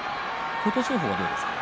琴勝峰は、どうですか。